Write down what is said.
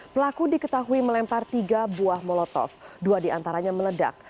pelaku diketahui melempar tiga buah molotov dua diantaranya meledak